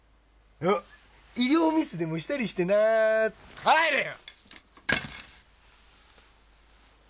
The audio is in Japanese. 医療ミスでもしたりしてな帰れよ！